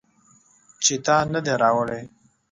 چې تا نه دي راوړي